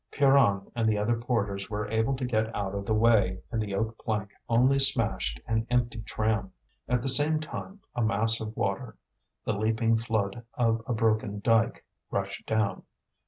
Pierron and the other porters were able to get out of the way, and the oak plank only smashed an empty tram. At the same time, a mass of water, the leaping flood of a broken dyke, rushed down.